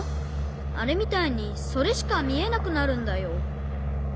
あれみたいにそれしかみえなくなるんだよ。